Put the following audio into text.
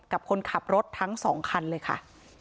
กับคนขับรถทั้ง๒คันเลยค่ะ